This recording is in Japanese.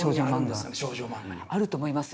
あると思います。